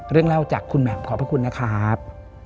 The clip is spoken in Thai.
เล่าจากคุณแหม่มขอบพระคุณนะครับ